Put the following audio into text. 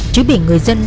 chứ bị người dân